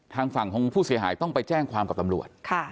ทางฝั่งของผู้เสียหายต้องไปแจ้งความกับตำรวจ